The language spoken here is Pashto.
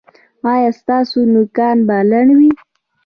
ایا ستاسو نوکان به لنډ وي؟